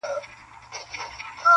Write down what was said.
که دیدن کړې ګودر ته راسه-